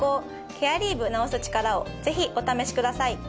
「ケアリーヴ治す力」をぜひお試しください。